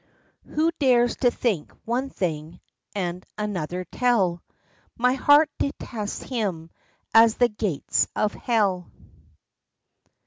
"Who dares think one thing and another tell, My heart detests him as the gates of hell."